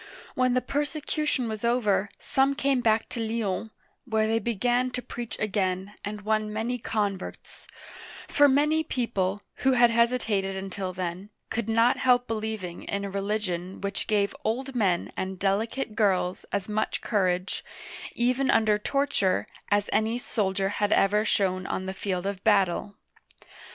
When the persecution was over, some came back to Lyons, where they began to preach again, and won many converts ; for many people, who had hesitated until then, could not help believing in a religion which gave old men and delicate girls as much courage, even under torture, as any soldier had ever shown on the field of battle.